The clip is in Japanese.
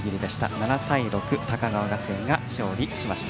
７対６、高川学園が勝利しました。